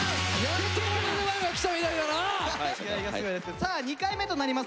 さあ２回目となります